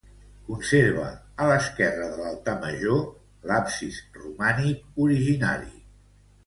Conserva a l'esquerra de l'altar major l'absis romànic originari.